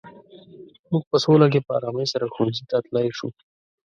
موږ په سوله کې په ارامۍ سره ښوونځي ته تلای شو.